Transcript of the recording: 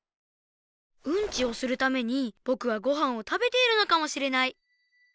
ウンチをするためにぼくはごはんをたべているのかもしれない。